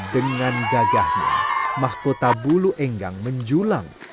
dengan gagahnya mahkota bulu enggang menjulang